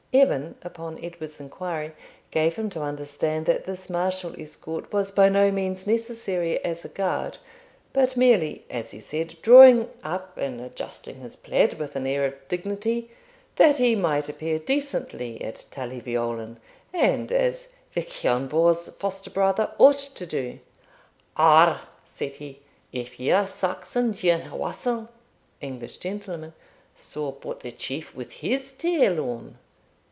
Evan, upon Edward's inquiry, gave him to understand that this martial escort was by no means necessary as a guard, but merely, as he said, drawing up and adjusting his plaid with an air of dignity, that he might appear decently at Tully Veolan, and as Vich Ian Vohr's foster brother ought to do. 'Ah!' said he, 'if you Saxon duinhe wassel (English gentleman) saw but the Chief with his tail on!'